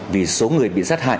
vì số người bị sát hại